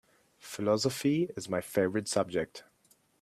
Philosophy is my favorite subject.